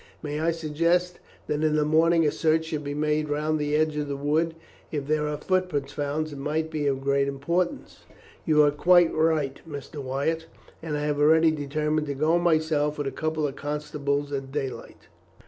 Might I suggest that in the morning a search should be made round the edge of the wood. If there are footprints found it might be of great importance." "You are quite right, Mr. Wyatt, and I had already determined to go myself, with a couple of constables, at daylight."